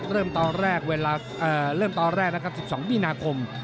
เริ่มตอนแรก๑๒มีนาคม